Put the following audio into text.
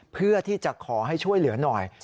เพื่อที่จะขอให้ช่วยเหลือหน่อย